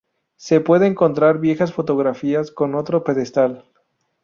Se pueden encontrar viejas fotografías con otro pedestal.